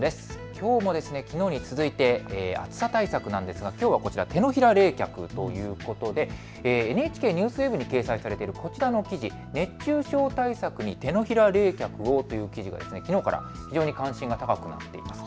きょうもきのうに続いて暑さ対策なんですが、きょうはこちら、手のひら冷却ということでＮＨＫＮＥＷＳＷＥＢに掲載されているこちらの記事、熱中症対策に手のひら冷却をという記事がきのうから非常に関心が高くなっています。